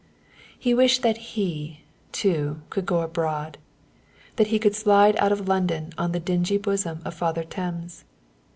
He wished that he, too, could go abroad, that he too could slide out of London on the dingy bosom of Father Thames.